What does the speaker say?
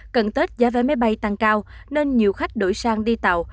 cận tết giá vé máy bay tăng cao nên nhiều khách đổi sang đi tàu